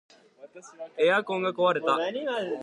エアコンが壊れた